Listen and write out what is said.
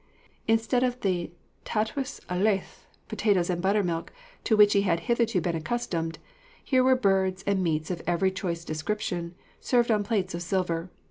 Instead of the tatws a llaeth (potatoes and buttermilk) to which he had hitherto been accustomed, here were birds and meats of every choice description, served on plates of silver.